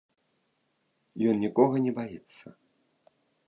Ён нікога не баіцца.